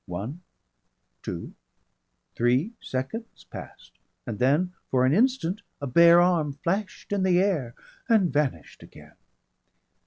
One, two, three seconds passed and then for an instant a bare arm flashed in the air and vanished again.